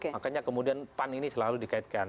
makanya kemudian pan ini selalu dikaitkan